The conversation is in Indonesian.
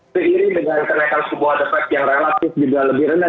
seiring dengan kenaikan sebuah the fed yang relatif juga lebih rendah